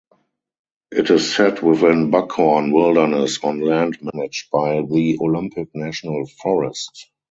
It is set within Buckhorn Wilderness on land managed by the Olympic National Forest.